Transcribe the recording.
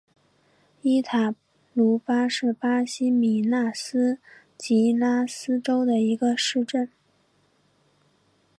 伊塔茹巴是巴西米纳斯吉拉斯州的一个市镇。